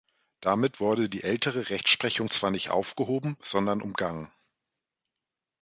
Damit wurde die ältere Rechtsprechung zwar nicht aufgehoben, sondern umgangen.